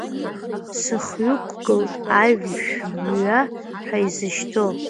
Сыҩхықәгылт Ажәмҩа ҳәа изышьҭоу.